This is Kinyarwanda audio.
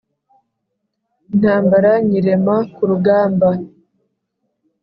Intambara nyirema ku rugamba